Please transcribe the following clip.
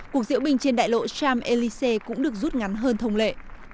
cuộc diễu bình trên đại lộ cham elise cũng được rút ngắn hơn thông lệ